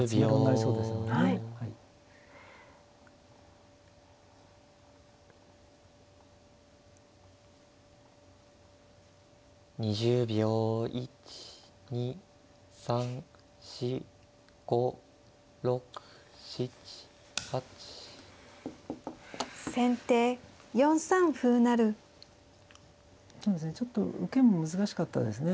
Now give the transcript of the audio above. そうですねちょっと受けも難しかったですね。